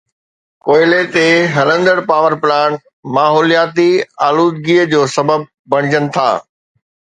ڪوئلي تي هلندڙ پاور پلانٽس ماحولياتي آلودگي جو سبب بڻجن ٿا.